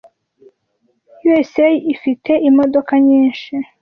USA ifite imodoka nyinshi